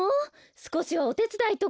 すこしはおてつだいとか。